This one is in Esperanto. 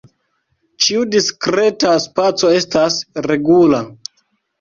Ĉiu diskreta spaco estas regula.